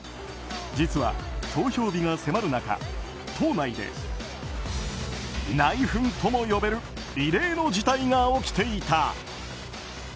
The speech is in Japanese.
実は投票日が迫る中、党内で内紛とも呼べる異例の事態が起きていた。